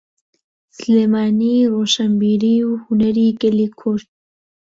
سلێمانی ڕۆشنبیری و هونەری گەلی کورد.